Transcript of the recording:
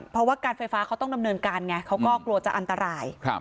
เพราะว่าการไฟฟ้าเขาต้องดำเนินการไงเขาก็กลัวจะอันตราย